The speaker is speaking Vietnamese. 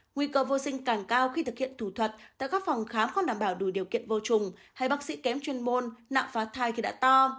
nguy cơ vô sinh càng cao khi thực hiện thủ thuật tại các phòng khám không đảm bảo đủ điều kiện vô trùng hay bác sĩ kém chuyên môn nặng phá thai khi đã to